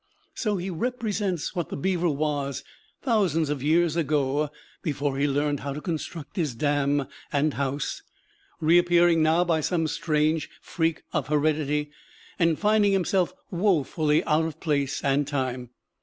So he represents what the beaver was, thousands of years ago, before he learned how to construct his dam and house, reappearing now by some strange freak of heredity, and finding himself wofully out of place and time.